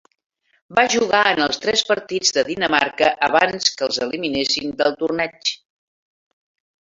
Va jugar en els tres partits de Dinamarca abans que els eliminessin del torneig.